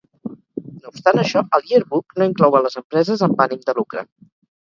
No obstant això, el Yearbook no inclou a les empreses amb ànim de lucre.